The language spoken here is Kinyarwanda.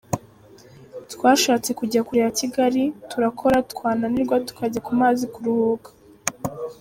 Twashatse kujya kure ya Kigali, turakora twananirwa tukajya ku mazi kuruhuka.